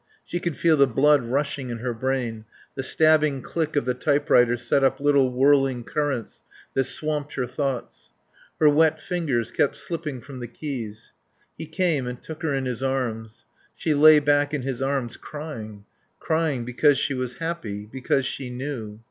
She could feel the blood rushing in her brain; the stabbing click of the typewriter set up little whirling currents that swamped her thoughts. Her wet fingers kept slipping from the keys. He came and took her in his arms. She lay back in his arms, crying. Crying because she was happy, because she knew.